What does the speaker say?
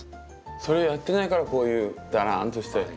それをやってないからこういうだらんとして。